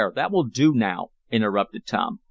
That will do now!" interrupted Tom.